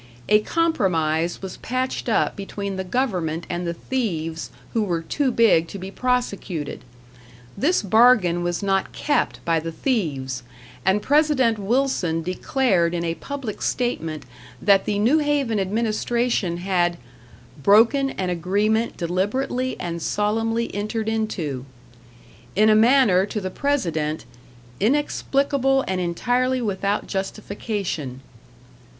A compromise was patched up between the government and the thieves who were too big to be prosecuted; this bargain was not kept by the thieves, and President Wilson declared in a public statement that the New Haven administration had "broken an agreement deliberately and solemnly entered into," in a manner to the President "inexplicable and entirely without justification."